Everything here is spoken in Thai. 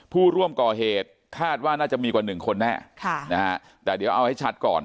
ผู้ร่วมก่อเหตุคาดว่าน่าจะมีกว่าหนึ่งคนแน่แต่เดี๋ยวเอาให้ชัดก่อน